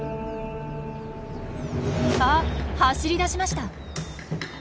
あっ走りだしました！